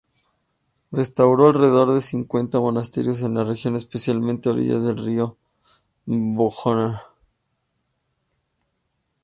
Restauró alrededor de cincuenta monasterios en la región, especialmente a orillas del río Bojana.